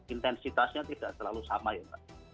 intensitasnya tidak selalu sama ya pak